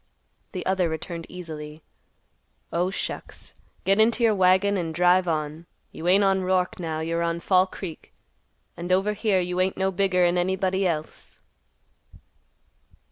The other returned easily, "Oh, shucks! Get into your wagon and drive on. You ain't on Roark now. You're on Fall Creek, and over here you ain't no bigger'n anybody else."